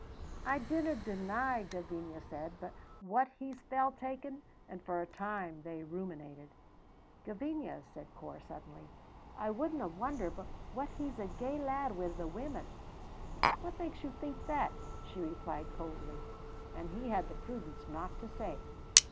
"I dinna deny," Gavinia said, "but what he's fell taking"; and for a time they ruminated. "Gavinia," said Corp, suddenly, "I wouldna wonder but what he's a gey lad wi' the women!" "What makes you think that?" she replied coldly, and he had the prudence not to say.